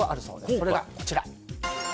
それが、こちら。